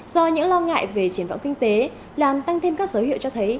do những lo ngại về triển vọng kinh tế làm tăng thêm các dấu hiệu cho thấy